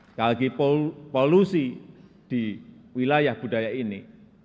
sekali lagi polusi di wilayah budaya ini